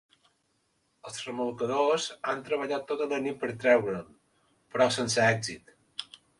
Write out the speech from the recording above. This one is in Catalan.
Els remolcadors han treballat tota la nit per treure'l, però sense èxit.